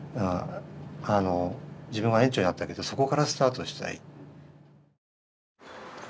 自分が園長になったけどそこからスタートしたい。